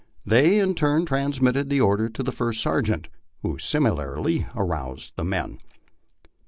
They in turn transmitted the order to the first sergeant, who similarly aroused the men.